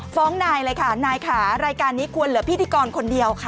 ฟ้องนายเลยค่ะนายค่ะรายการนี้ควรเหลือพิธีกรคนเดียวค่ะ